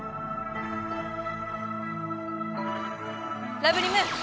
ラブリム！